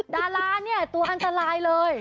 ดาราเนี่ยตัวอันตรายเลย